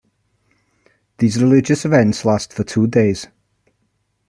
These religious events last for two days.